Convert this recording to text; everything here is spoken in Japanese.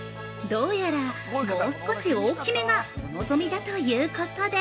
◆どうやら、もう少し大きめがお望みだということで◆